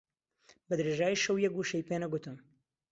بە درێژایی شەو یەک وشەی پێ نەگوتم.